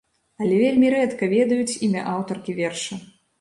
Але вельмі рэдка ведаюць імя аўтаркі верша.